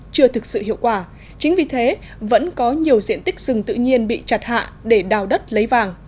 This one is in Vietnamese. chưa thực sự hiệu quả chính vì thế vẫn có nhiều diện tích rừng tự nhiên bị chặt hạ để đào đất lấy vàng